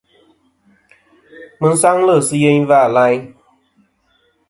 Mi sangli si yeyn va layn.